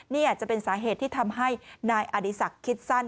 นี่อาจจะเป็นสาเหตุที่ทำให้นายอดีศักดิ์คิดสั้น